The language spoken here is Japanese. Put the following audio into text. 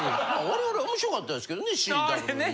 我々面白かったですけどね